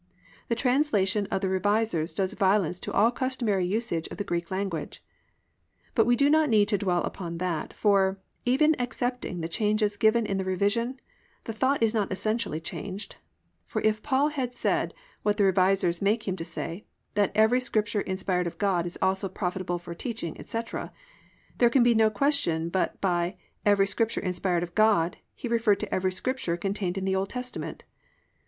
The translation of the Revisers does violence to all customary usage of the Greek language. But we do not need to dwell upon that, for, even accepting the changes given in the Revision, the thought is not essentially changed; for if Paul had said what the revisers make him say that "Every Scripture inspired of God is also profitable for teaching, etc.," there can be no question but by "every scripture inspired of God" he referred to every Scripture contained in the Old Testament.